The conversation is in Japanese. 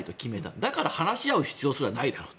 だから話し合う必要すらないだろうと。